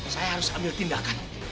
saya harus ambil tindakan